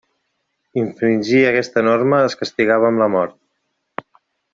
Infringir aquesta norma es castigava amb la mort.